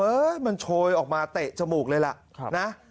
มันโชยออกมาเตะจมูกเลยล่ะนะ